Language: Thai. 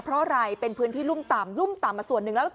เพราะอะไรเป็นพื้นที่รุ่มต่ำรุ่มต่ำมาส่วนหนึ่งแล้ว